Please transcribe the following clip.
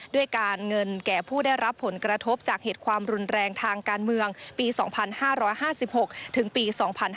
ด้วยการเงินแก่ผู้ได้รับผลกระทบจากเหตุความรุนแรงทางการเมืองปี๒๕๕๖ถึงปี๒๕๕๙